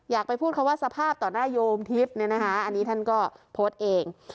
ไปพูดคำว่าสภาพต่อหน้าโยมทิพย์เนี่ยนะคะอันนี้ท่านก็โพสต์เอง